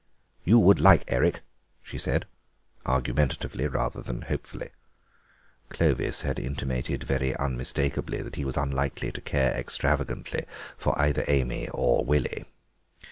"You would like Eric," she said, argumentatively rather than hopefully. Clovis had intimated very unmistakably that he was unlikely to care extravagantly for either Amy or Willie.